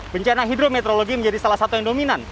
bencana hidrometeorologi menjadi salah satu yang dominan